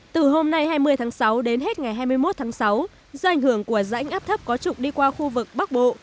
từ hôm nay hai mươi tháng sáu đến hết ngày hai mươi một tháng sáu do ảnh hưởng của rãnh áp thấp có trục đi qua khu vực bắc bộ